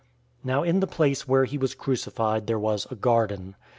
019:041 Now in the place where he was crucified there was a garden.